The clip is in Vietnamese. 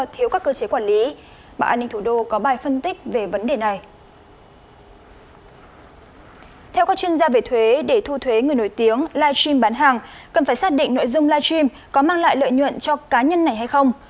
theo các chuyên gia về thuế để thu thuế người nổi tiếng live stream bán hàng cần phải xác định nội dung live stream có mang lại lợi nhuận cho cá nhân này hay không